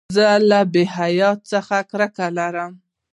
زه له بېحیایۍ څخه کرکه لرم.